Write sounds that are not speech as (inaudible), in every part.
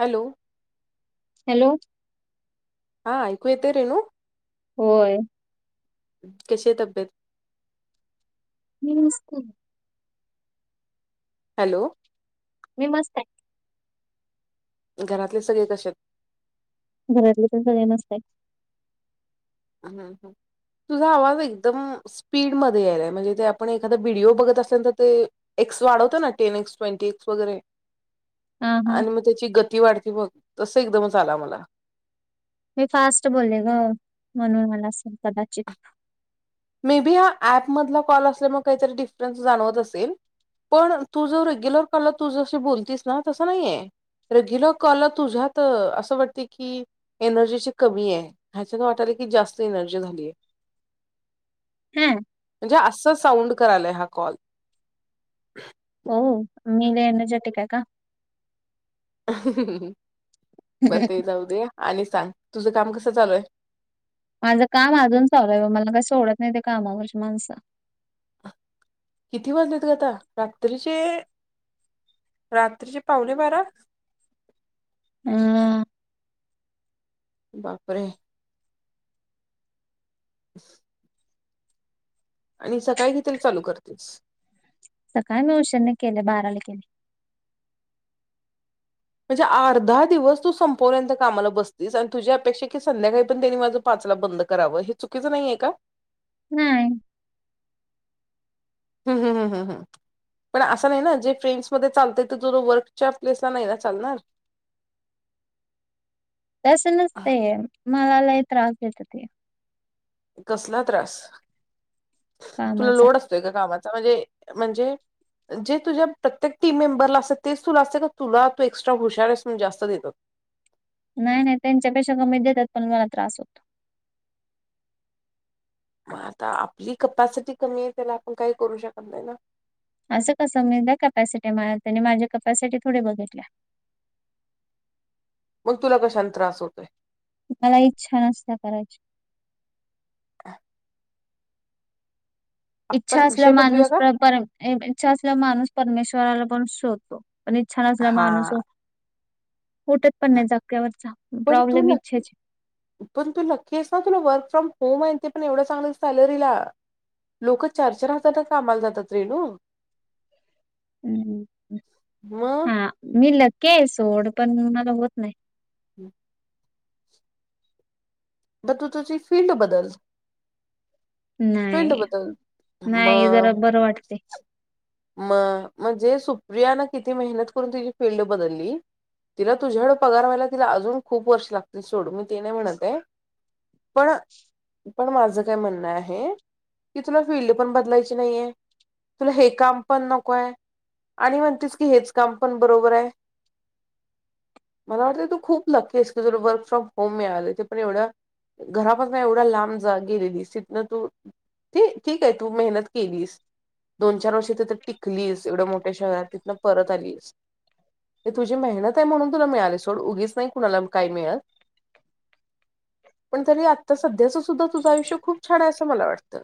Hello, hello, हा ऐकयेत रेनू, होय. कसे तब्येत, नमस्त. हॅलो, मी मस्त आहे. घरातले सगळे कसे घरातले तर सगळे नसते. हम् हम्, तुझा आवाज एकदम स्पीडमध्ये यायलाय म्हणजे ते आपण एखादा व्हिडिओ बघत असल्यानंतर ते ए क्स वाढवत ना टन एक्स ट्वेंटी एक्स वगैरे. हा हा आणि मग त्याची गती वाढती बघ तस एकदमच आला मला. मी फास्ट बोलले ग, म्हणून आला असेल कदाचित मे बी हा ऍप मधला कॉल असल्यामुळे काहीतरी डिफरन्स जाणवत असेल. पण तू जर रेग्युलर तू जशी बोलतीस ना तसं नाहीय. रेग्युलर कॉलला तुझ्यात असं वाटते की एनर्जीची कमी आहे ह्याच्या वाटालय जास्त एनर्जी झालीय. हम्म. म्हणजे असं साऊंड करायलाय हा कॉल. हो मी लई एनर्जेटिक आहे का? बर ते जाऊ दे, आणि सांग तुझं काम कसं चालू आहे? माझं काम अजून चालू आहे, मला काही सोडत नाही त्या कामावरचे माणसं. किती वाजलेेत गं आता. रात्रीचे रात्रीचे पाउणे बारा. हम्म. बापरे. (inaudible) आणि सकाळी कितीला चालू करतेस? सकाळी मी उशीने केले बाराला केले. म्हणजे अर्धा दिवस तू संपवल्यांत कामाला बसतीस आणि तुझी अपेक्षा की संध्याकाळी पण त्यांनी माझं पाच बंद कराव हे चुकीचं नाहीये का? हम्म. हम् हम हम् हम हम. पण असं नाही ना जे फ्रेंड्समध्ये चालत ते तु वर्कच्या प्लेसला नाही ना चालणार. (inaudible) तस नसतय मला लयी त्रास देत ते. कसला त्रास? तुला कामाचा लोड असतो एका कामा चा म्हणजे म्हणजे जे तुझ्या प्रत्येक टीम मेंबरला असत, तेच तुला असते का तुला तू एक्स्ट्रा हुशार आहेस, म्हणून जास्त देतात. (inaudible) नाही नाही त्यांच्यापेक्षा कमी देतात, पण मला त्रास होतो. मग आता आपली कपॅसिटी कमी आहे त्याला आपण काही करू शकत नाही ना. असं कसं मी त्या कपॅसिटी त्यांनी माझी कपॅसिटी थोडी बघितल्या. मग तुला कशान त्रास होतोय? मला इच्छा नसत्या करायची. ह. इच्छा असल्या विषय बदलूया माणूस का पर इच्छा असल्या माणूस परमेश्वराला पण शोधतो. पण इच्छा नसल्या हा माणूसो उठत पण नाही जाग्यावरचा पण तू प्रॉब्लेम नक्की इच्छाची पण तू नक्की आहेस ना, तुला वर्क फ्रॉम होम आहे ते पण एवढं चांगलं सॅलरीला. लोक चार चार हजारात कामाला जातात रेनू हम्म मग हा मी लकी आहे सोड पण मला होत नाही. हम् तर तु तुजी फील्ड बदल. फिल्ड नाही बदल म नाही जरा बरं वाटते. म म्हणजे सुप्रिया न किती मेहनत करून तु फिल्ड बदलली. तिला तुझ्याकड पगार व्हायला तिला अजून खूप वर्ष लागतील सोड मी ते नाही म्हणत आहे. पण पण माझ काय म्हणणं आहे. कि तुला फीलल्ड पण बदलायची नाहीे तुला हे काम पण नको आहे. आणि म्हणतेस की हेच काम पण बरोबर आहे. मला वाटतं तू खूप लक्की आहेस की जर वर्क फ्रॉम होम मिळालं ते पण एवढं घरापासन एवढ्या लांब जा गेलेलीस तिथंन तू (unintelligible) ठीक आहे तू मेहनत केलीस दोन चार वर्षी तिथे टिकलीस एवढ्या मोठ्या शहरात तिथन परत आलीस हे तुझी मेहनत आहे म्हणून तुला मिळाली सोड उगीच नाही कुणाला काय मिळत पण तरी आता सध्याच सुद्धा तुझं आयुष्य खूप छान अस (unintelligible) मला वाटत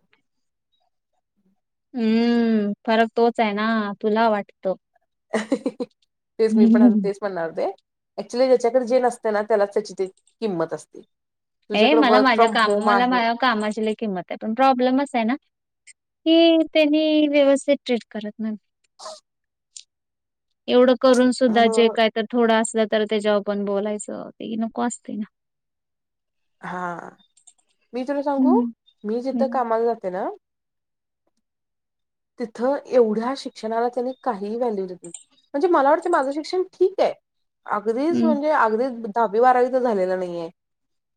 हम्म.. फरक तोच आहे ना तुला वाटतं (inaudible) तेच मी पण आता तेच म्हणार होते. ऍक्च्युअली ज्याच्याकडे जे नसतं ना त्यालाच त्याची ती किंमत असते हे तुझ्याकडे मला वर्क माझ्या फ्रॉम काम होम मला आहे माझ्या कामाशी लय किंमत आहे पण प्रॉब्लेमच आहे ना की त्यांनी व्यवस्थित ट्रीट करत म्ह (unintelligible) ह (unintelligible) एवढं करून सुद्धा जे मग काय तर थोडं असल तर त्याच्यावर पण बोलायचं ते की नको असतय ना हा मी तुला सांगू हम्म. मी जिथं हम्म. कामाला जाते ना तिथं एवढ्या शिक्षणाला त्यांनी काहीही व्हॅल्यू देत ना म्हणजे मला वाटतं माझं शिक्षण ठीक आहे अगदीच हम्म. म्हणजे अगदीच दहावी, बारावी तर झालेला नाहीये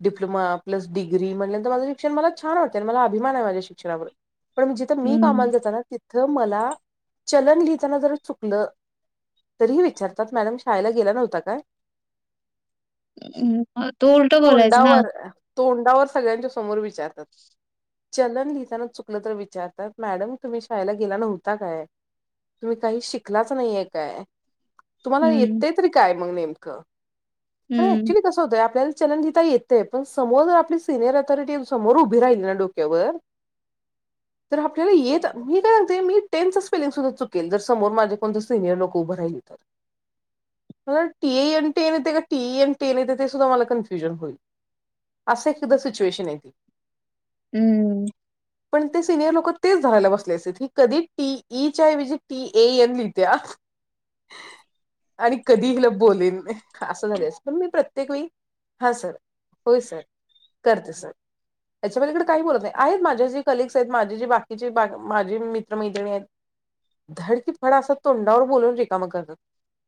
डिप्लोमा, प्लस डिग्री म्हटल्यानंत तर माझं शिक्षण मला छान वाटतं आणि मला अभिमान आहे माझ्या शिक्षणावर पण जिथं मी हम्म. कामाला जाता ना तिथं मला चलन लिहिताना जरा चुकलं तरीही विचारतात मॅडम शाळेला गेला नव्हता काय? हम्म म-तू उलट बोलायच ना तोंडावर तोंडावर सगळ्यांच्या समोर विचारतात चलन लिहिताना चुकलं तर विचारतात मॅडम तुम्ही शाळेला गेला नव्हता काय? तुम्ही काही शिकलाच नाहीेय काय? तुम्हाला हम्म. येतं तरी काय मग नेमकं पण हम्म. ऍक्च्युली कसं होतंय आपल्याला चलन लिहिता येतय पण समोर आपली सिनियर अथॉरिटी समोर उभी राहिली ना डोक्यावर (inaudible) तर आपल्याला येत मी काय म्हणते मी टेनच स्पेलिंग सुद्धा चुकेल जर समोर माझे कोणतर सिनियर लोक उभं राहिली तर मला टीएएनटी लिहिते का टीईएनटी लाहिते ते सुद्धा मला कन्फ्युज (unintelligible) असं एखेकदा सिच्युएशन आहे ती हम्म.. पण ते सिनियर लोक तेच धरायला बसले असेल की कधी टी ई च्या ऐवजी टी ए एन लिहित्या आणि कधी हिला बोलेन असं झालं असेल पण मी प्रत्येक वेळी हा सर होय सर करते सर त्याच्या पलीकडे काही बोलत नाही आहेत माझ्या जे कलग्स आहेत माझी जी बाकीचे बा -माझी मित्रमैत्रिणी आहेत धडकी -फड असा तोंडावर बोलवून रिकामा करतात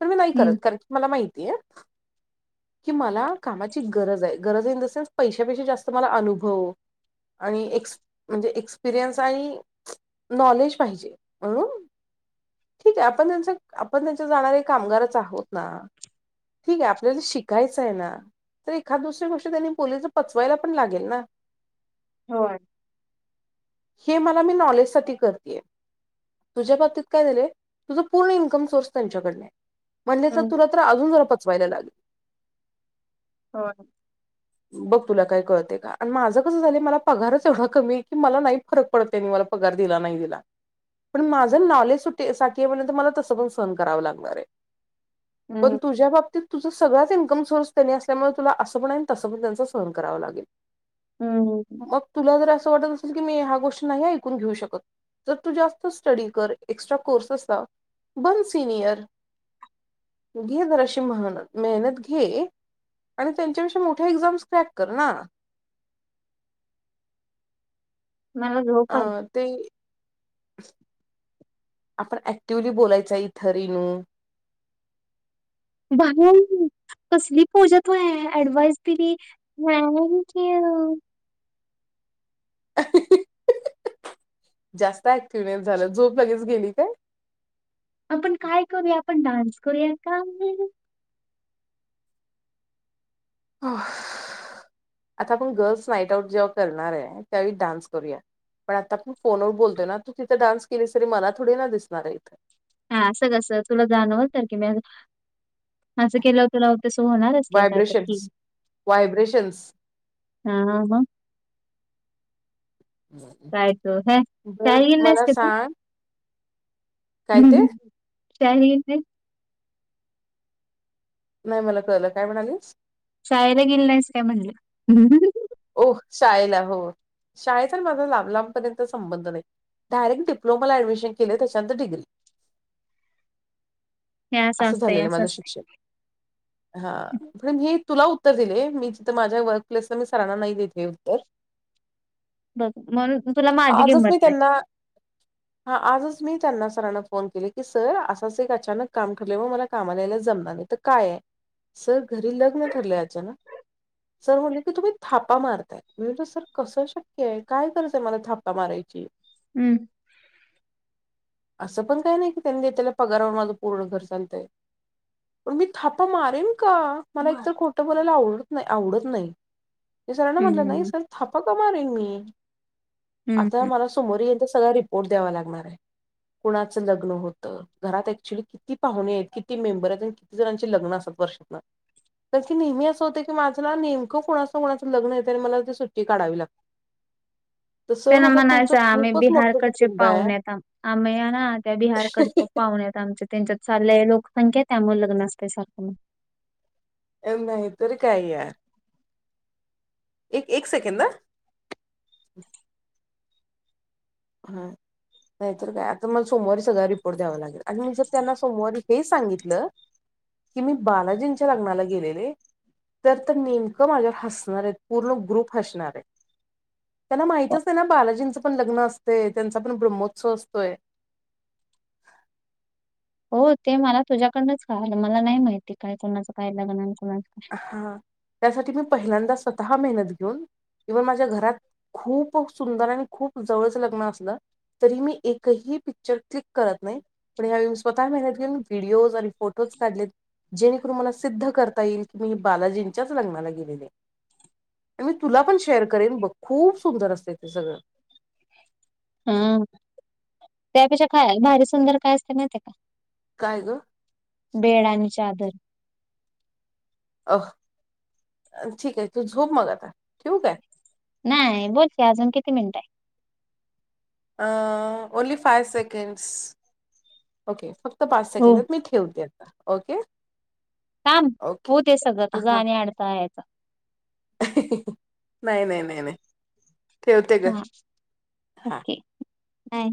तर मी नाही करत हम्म. कारण की मला माहितीय की मला कामाची गरज आहे गरज इन द सेन्स पैशापेक्षा जास्त मला अनुभव आणि एक्स म्हणजे एक्सपिरियन्स आणि नॉलेज पाहिजे म्हणून ठीक आहे आपण त्यांच आपण त्यांच्या जाणारे कामगारच आहोत ना ठीक आहे आपल्याला शिक काहीच आहे ना तर एखाद दुसरी गोष्टी त्यांनी बोलीच पचवायला पण लागेल ना होय.. हे मला मी नॉलेज साठी करतेय. तुझ्या बाबतीत काय झालंय तुझं पूर्ण इन्कम सोर्स त्यांच्याकडन हाय म्हणले तर हम्म. तुला तर अजून जरा पचवायला लागेल होय.. बघ तुला काय कळतंय का? अनं माझं कसं झालं मला पगारच एवढा कमीय, की मला नाही फरक पडत त्यांनी मला पगार दिला नाही. ण दिला पण माझं नॉलेज (unintelligible) मला तसं पण सहन करावं लागणारय पण हम्म. तुझ्या बाबतीत तुझा सगळाच इनकम सोर्स त्यांनी, त्यामुळे तुला असं पण आहे, तसं पण त्यांच सहन करावं, लागेल हम्म. मग तुला जर असं वाटत असेल ह्या गोष्ट नाही ऐकून घेऊ शकत, जर तू जास्त स्टडी कर एक्स्ट्रा कोर्स लाव- बनं सीनियर घे जराशी महनत मेहनत घे आणि त्यांच्याविषयी मोठे एक्झाम्स क्रॅक कर ना. (unintelligible) मला झोप आली अ, ते आपण ऍक्टिवली बोलायचं इथं रीनू भाई, कसली पूजा तू आहे, ऍडवाइस दिली थँक्ऊ, जास्त ऍक्टिव्हनेस झाल्यास झोप लगेच गेली काय? आपण काय करूया. आपण डान्स करूया का? हफ (inaudible) आता आपण गर्ल्स नाईट आउट जेव्हा करणार आ, त्यावेळी डान्स करूया. पण आता आपण फोनवर बोलतोय ना तू तिथं डान्स केली तरी मला थोडी ना दिसणार आहे इथं हा असं कस तुला जाणवल तर की म (unintelligible) असं केल्यावर तुला तस होणारच की कायतर की व्हायब्रेशन्स व्हायब्रेशन्स हा हा मग, काय तो ह शाळेत बरं गेली नाहीस मला का तू सांग? काय ते शाळेला गेली नाहीस. नाही मला कळलं काय म्हणालीस? शाळेला गेली नाहीस काय म्हणलं (inaudible) ओह् शाळेला! हो शाळचा माझा लांब लांबपर्यंत संबंध नाही. डायरेक्ट डिप्लोमाला ऍडमिशन केलंय त्याच्यानंतर डिग्री हे असं असतंय झालेलं माझं असतंय शिक्षण, हा पण हे तुला उत्तर दिले मी, तिथं माझ्या वर्क प्लेसला मी सरांना नाही देतेय उत्तर बघ म्हणून तर तुला माझी आजच मी किंमत नाय त्यांना हा आजच मी त्यांना सरांना फोन केले, की सर असंच एक अचानक काम ठरलय वो मला कामाला यायला जम, तर काय सर घरी लग्न ठरलय, आचानक सर म्हटले की तुम्ही थापा मारताय मी म्हटल कसं शक्यय? काय गरजंय मला थापा मारायची. हम्म असं पण काय नाही की त्यांनी दिला पगारावर माझं पूर्ण घर चालतंय. पण मी थापा मारेन का? मला एकतर खोटं बोलायला आवडत नाही, आवडत नाही. सरांना म्हटलं नाही, हम्म सर थापा का मारेन मी? हम्म आता हम्म. मला समोर येइल तसं रिपोर्ट द्यावा लागणारय कुणाचं लग्न होतं, घरात ऍक्च्युली किती पाहुणेयत? किती मेंबरयत? किती जणांचे लग्न असतात? वर्षातनं कारण की नेहमी असं होतं की माझं ना नेमकं कुणाचं? कोणाच लग्न येतय मला त सुट्टी काढावी लागते. तर सर त्यांना म्हणतात तुमचं म्हणायचं. आम्ही खूपच मोठं बिहारकडचे कुटुंब आहे पाहुनेयेत आ आम्हीय ना त्या बिहारकडं पाहुने आमच्या त्यांच्यात चालल्या लोकसंख्या त्यामुळे लग्न असतय सारखं नाह्यतर काय यार एक एक सेकंद आ हा नाहीर काय आता मला सोमवारी सगळा रिपोर्ट द्यावा लागेल, आणि मग जर त्यांना सोमवारी हे सांगितलं. कि मी बालाजींच्या लग्नाला गेलेले. तर तर नेमकं माझ्यावर हसणारेत, पूर्ण ग्रुप हसणारय. त्यांना हो माहितच नाय ना बालाजींचं पण लग्न अस. ते त्यांचा पण ब्रह्मोत्सव असतोय. हो ते मला तुझ्याकडनंच कळालं, मला नाही माहिती काही कोणाचं काय लग्ना हा त्यासाठी मी पहिल्यांदा स्वतः मेहनत घेऊन इव्हन माझ्या घरात खूप सुंदर आणि खूप जवळचं लग्न असलं तरी मी एकही पिक्चर क्लिक करत नाही पण यावेळी मी स्वतः मेहनत घेऊन व्हिडिओज आणि फोटोज काढलेत जेणेकरून मला सिद्ध करता येईल मी बालाजींच्याच लग्नाला गेलेले मी तुला पण शेअर करेन बघ खूप सुंदर असते ते सगळं हम्म त्यापेक्षा काय भारी सुंदर काय असते माहीते का काय ग बेड आणि चादर- अ ठीक आहे तू झोप मग आता ठेवू काय आहे नाही बोलते अजून किती मिनिटं आहे ओनली फाय सेकंड्स ओके फक्त पाच सेकंड हो आहेत मी ठेवते ओके काम ओके हो ते सगळं तुझा हां आणि अडथळा यायचा नाही नाही नाही नाही ठेवते ग हा हां ओके बाय